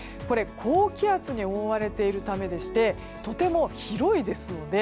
高気圧に覆われているためでしてとても広いですよね。